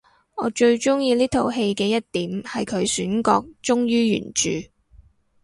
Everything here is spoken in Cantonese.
我最鍾意呢套戲嘅一點係佢選角忠於原著